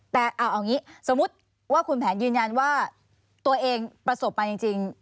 แต่เอาอย่างนี้สมมุติว่าคุณแผนยืนยันว่าตัวเองประสบมาจริง